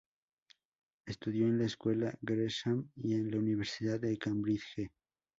Estudió en la Escuela Gresham y en la Universidad de Cambridge.